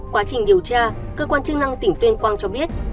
quá trình điều tra cơ quan chức năng tỉnh tuyên quang cho biết